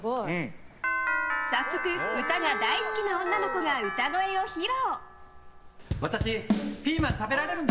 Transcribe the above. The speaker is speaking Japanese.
早速、歌が大好きな女の子が歌声を披露。